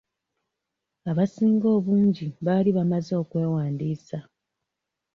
Abasinga obungi baali bamaze okwewandiisa.